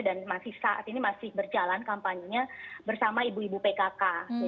masih saat ini masih berjalan kampanyenya bersama ibu ibu pkk